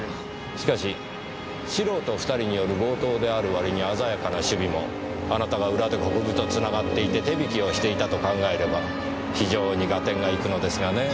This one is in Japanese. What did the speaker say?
しかし素人２人による強盗である割にあざやかな首尾もあなたが裏で国分と繋がっていて手引きをしていたと考えれば非常に合点がいくのですがねぇ。